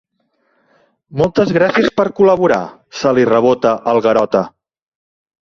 Moltes gràcies per col·laborar —se li rebota el Garota—.